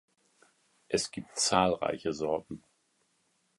Es gibt zahlreiche Sorten.